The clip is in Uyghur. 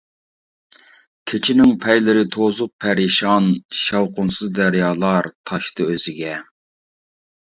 كېچىنىڭ پەيلىرى توزۇپ پەرىشان، شاۋقۇنسىز دەريالار تاشتى ئۆزىگە.